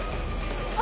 あ！